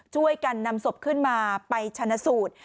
ช่วยกันนำศพขึ้นมาไปชนะสูตร